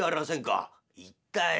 「行ったよ。